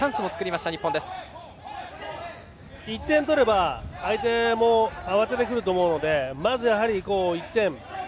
１点取れば相手も慌ててくると思うので、まず１点。